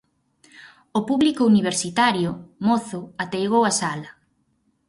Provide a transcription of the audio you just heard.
O público universitario, mozo, ateigou a sala.